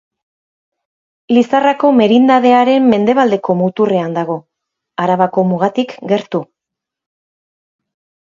Lizarrako merindadearen mendebaldeko muturrean dago, Arabako mugatik gertu.